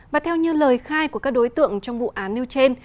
và theo như lời khai của các đối tượng trong vụ án nêu trên